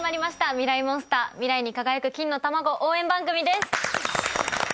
『ミライ☆モンスター』未来に輝く金の卵応援番組です。